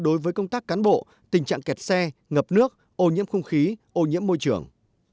đối với công tác cán bộ tình trạng kẹt xe ngập nước ô nhiễm không khí ô nhiễm môi trường